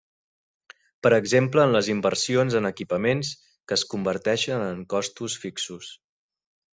Per exemple en les inversions en equipaments, que es converteixen en costos fixos.